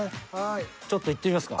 ちょっといってみますか。